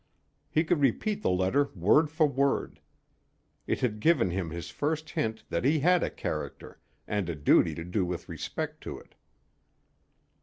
He could repeat the letter word for word. It had given him his first hint that he had a character, and a duty to do with respect to it.